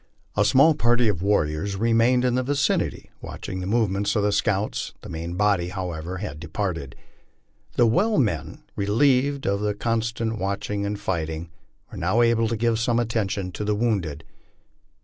A small party of warriors remained in the vicinity watching the movements of the scouts; the main body, however, had departed. The well men, relieved of the constant watching and fighting, were now able to give some attention to the wounded.